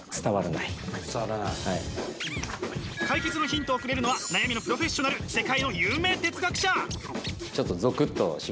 解決のヒントをくれるのは悩みのプロフェッショナル世界の有名哲学者！